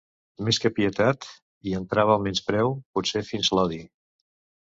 Més que pietat, hi entrava el menyspreu, potser fins l'odi.